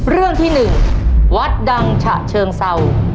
เรื่องที่๑วัดดังฉะเชิงเศร้า